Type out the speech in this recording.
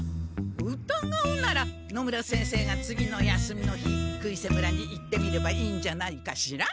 うたがうなら野村先生が次の休みの日杭瀬村に行ってみればいいんじゃないかしら？